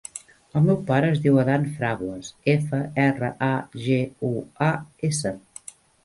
El meu pare es diu Adán Fraguas: efa, erra, a, ge, u, a, essa.